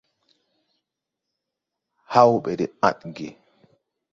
Haw ɓɛ de ãdge.